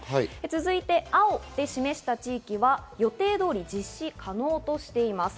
続いて青で示した地域は予定通り実施可能としています。